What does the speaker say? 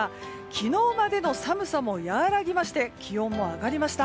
昨日までの寒さも和らぎまして気温も上がりました。